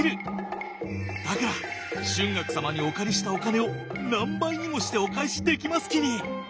だから春嶽様にお借りしたお金を何倍にもしてお返しできますきに。